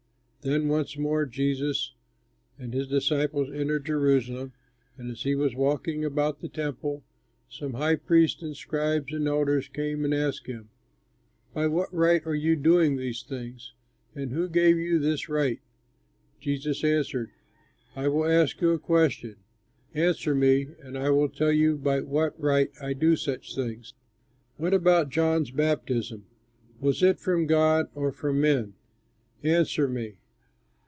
Then once more Jesus and his disciples entered Jerusalem, and as he was walking about the Temple, some high priests and scribes and elders came and asked him, "By what right are you doing these things, and who gave you this right?" Jesus answered, "I will ask you a question; answer me, and I will tell you by what right I do such things. What about John's baptism? Was it from God or from men? Answer me."